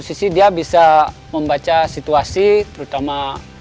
sisi dia bisa membaca situasi terutama